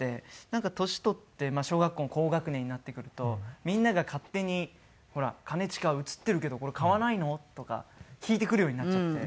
なんか年取って小学校の高学年になってくるとみんなが勝手に「ほら兼近写ってるけどこれ買わないの？」とか聞いてくるようになっちゃって。